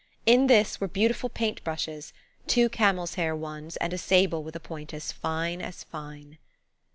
In this were beautiful paint brushes–two camel's hair ones and a sable with a point as fine as fine.